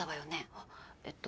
あっえっと